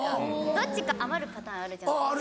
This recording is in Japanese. どっちか余るパターンあるじゃないですか。